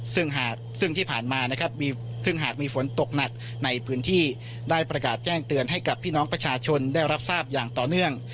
ซึ่งหากมีฝนตกหนักในพื้นที่ได้ประกาศแจ้งเตือนให้กับพี่น้องประชาชนได้รับทราบอย่างต่อเนื่อง